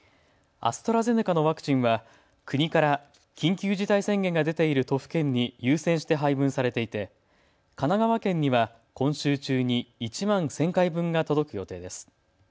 アストラゼネカのワクチンは国から緊急事態宣言が出ている都府県に優先して配分されていて神奈川県には今週中に１万１０００回分が届く予定です。